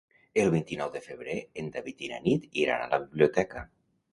El vint-i-nou de febrer en David i na Nit iran a la biblioteca.